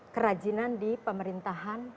kerajinan di pemerintahan